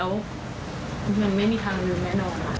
เพราะฉะนั้นไม่มีทางลืมแน่นอน